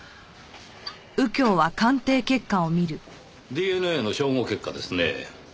ＤＮＡの照合結果ですねぇ。